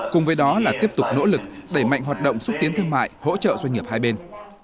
cùng với đó là tiếp tục nỗ lực đẩy mạnh hoạt động xúc tiến thương mại hỗ trợ doanh nghiệp hai bên